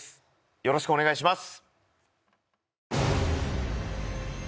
よろしくお願いします。